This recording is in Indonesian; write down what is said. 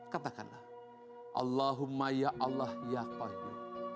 katakanlah allahumma ya allah ya wahyu